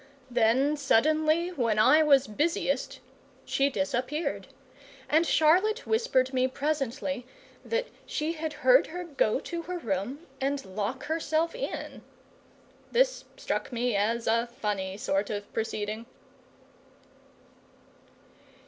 Then suddenly, when I was busiest, she disappeared; and Charlotte whispered me presently that she had heard her go to her room and lock herself in. This struck me as a funny sort of proceeding.